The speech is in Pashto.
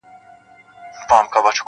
ولي ګناکاري زما د ښار سپيني کفتري دي,